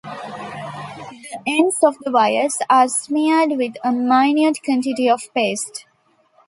The ends of the wires are smeared with a minute quantity of paste.